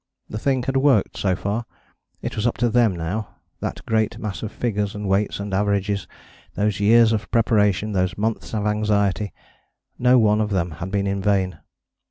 The thing had worked so far, it was up to them now: that great mass of figures and weights and averages, those years of preparation, those months of anxiety no one of them had been in vain.